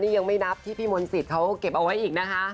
นี่ยังไม่นับที่พี่มนต์สิทธิ์เขาเก็บเอาไว้อีกนะคะ